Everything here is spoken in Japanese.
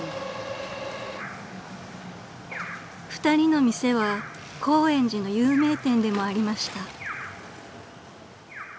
［２人の店は高円寺の有名店でもありました］